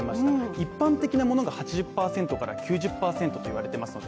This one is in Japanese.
一般的なものが８０％から９０％といわれていますので。